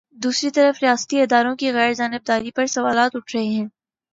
دوسری طرف ریاستی اداروں کی غیر جانب داری پر سوالات اٹھ رہے ہیں۔